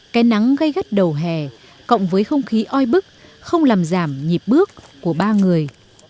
cái nắng gây gắt đầu hè cộng với không khí oi bức không làm giảm nhịp bước của ba người